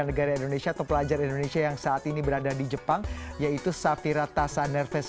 negara indonesia atau pelajar indonesia yang saat ini berada di jepang yaitu safira tasanerves